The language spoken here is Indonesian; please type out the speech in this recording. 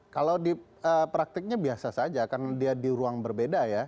kalau di praktiknya biasa saja karena dia di ruang berbeda ya